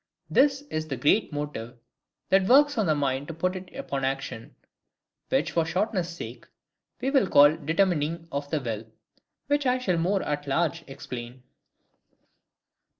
This is the great motive that works on the mind to put it upon action, which for shortness' sake we will call determining of the will, which I shall more at large explain.